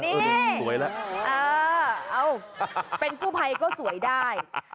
นี่เออเป็นกู้ไพก็สวยได้เออเป็นกู้ไพก็สวยได้